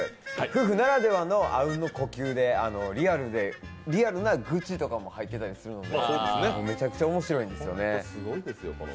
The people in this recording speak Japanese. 夫婦ならではのあうんの呼吸でリアルな愚痴とかも入ってたりするのでめちゃくちゃ面白いんですよね。